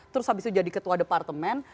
terus habis itu jadi ketua departemen